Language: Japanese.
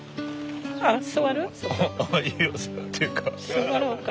座ろうか？